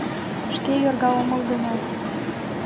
Шке йорга омыл гынат